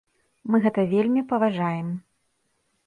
Мы гэта вельмі паважаем.